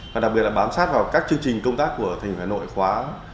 và đặc biệt là bám sát vào các chương trình công tác của thành phố hà nội khóa một mươi sáu